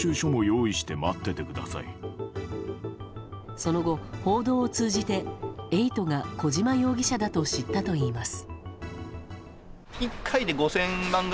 その後、報道を通じてエイトが小島容疑者だと知ったといいます。